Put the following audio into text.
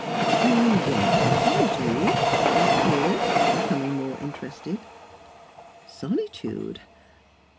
"Do you want solitude?" asked Piers, becoming more interested. "Solitude?